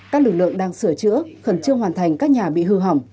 các lực lượng đang sửa chữa khẩn trương hoàn thành các nhà bị hư hỏng